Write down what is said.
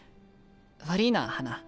悪いな花。